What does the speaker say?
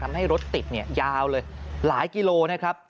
ทำให้รถติดยาวเลยหลายกิโลนะครับ